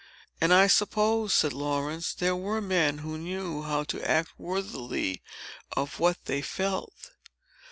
"And I suppose," said Laurence, "there were men who knew how to act worthily of what they felt."